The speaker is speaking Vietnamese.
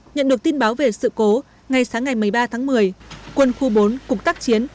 nhận được tin báo về sự cố ngày sáng ngày một mươi ba tháng một mươi quân khu bốn cục tác chiến